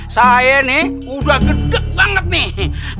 saya ini sudah gede banget nih